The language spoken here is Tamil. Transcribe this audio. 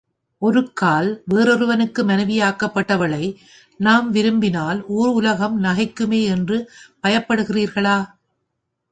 ஒருக்கால் வேறொருவனுக்கு மனைவியாக்கப்பட்டவளை நாம் விரும்பினால் ஊர் உலகம் நகைக்குமே என்று பயப் படுகிறீர்களா?